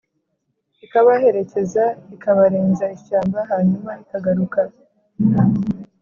ikabaherekeza, ikabarenza ishyamba, hanyuma ikagaruka